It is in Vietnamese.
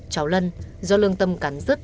cháu lân do lương tâm cắn rứt